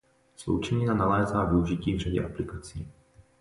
Sloučenina nalézá využití v řadě aplikací.